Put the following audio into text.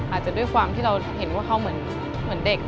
อาจจะด้วยความที่เราเห็นว่าเขาเหมือนเด็ก